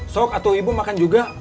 sok atau ibu makan juga